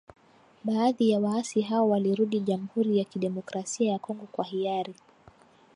Baadhi ya waasi hao walirudi Jamhuri ya kidemokrasia ya Kongo kwa hiari.